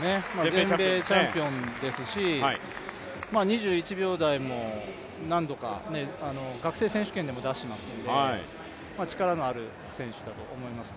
全米チャンピオンですし２１秒台も何度か学生選手権でも出してますので力のある選手だと思います。